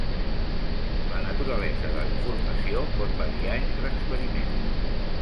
La naturalesa de la informació pot variar entre experiments.